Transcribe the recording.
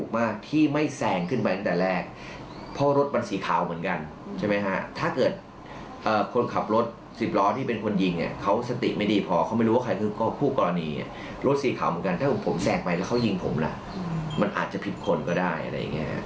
มันอาจจะผิดคนก็ได้อะไรอย่างนี้